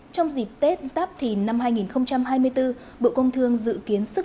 trong dịp tết giáp thìn năm hai nghìn hai mươi bốn bộ công thương dự kiến sử dụng